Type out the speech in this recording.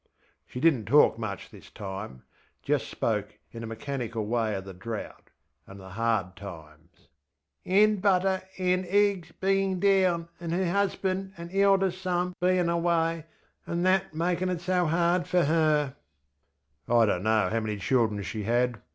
She didnŌĆÖt talk much this timeŌĆöjust spoke in a mechanical way of the drought, and the hard times, ŌĆÖanŌĆÖ butter ŌĆśnŌĆÖ eggs beinŌĆÖ down, anŌĆÖ her husbanŌĆÖ anŌĆÖ eldest son beinŌĆÖ away, anŌĆÖ that makinŌĆÖ it so hard for her. ŌĆÖ I donŌĆÖt know how many children she had.